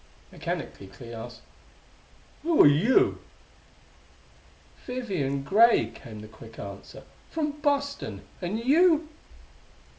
Mechanically Clee asked: "Who are you?" "Vivian Gray," came the quick answer; "from Boston. And you?"